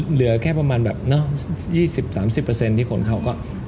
เหลือแค่ประมาณ๒๐๓๐เปอร์เซ็นที่ผลเข้า